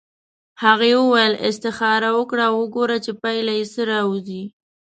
هغې وویل استخاره وکړه او وګوره چې پایله یې څه راوځي.